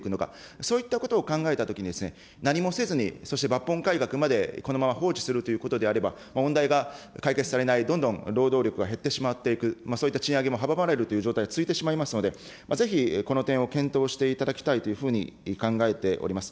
そういったことを考えたときにですね、何もせずに、そして抜本改革までこのまま放置するということであれば、問題が解決されない、どんどん労働力が減ってしまっていく、そういった賃上げも阻まれるといった状態が続いてしまいますので、ぜひ、この点を検討していただきたいというふうに考えております。